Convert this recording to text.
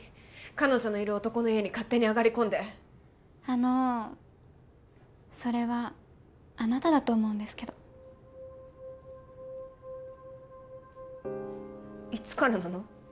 彼女のいる男の家に勝手に上がりこんであのそれはあなただと思うんですけどいつからなの？